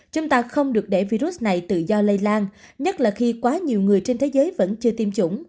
chúng ta không được để virus này tự do lây lan nhất là khi quá nhiều người trên thế giới vẫn chưa tiêm chủng